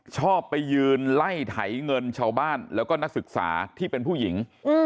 ชอบไปยืนไล่ไถเงินชาวบ้านแล้วก็นักศึกษาที่เป็นผู้หญิง